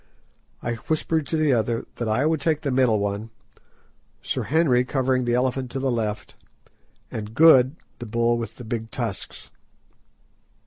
I whispered to the others that I would take the middle one; Sir Henry covering the elephant to the left, and Good the bull with the big tusks.